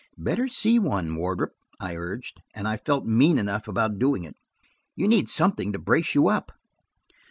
"Better see one, Wardrop," I urged–and I felt mean enough about doing it. "You need something to brace you up."